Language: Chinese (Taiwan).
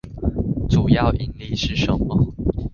主要營力是什麼？